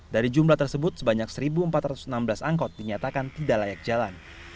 dari jumlah tersebut sebanyak satu empat ratus enam belas angkot dinyatakan tidak layak jalan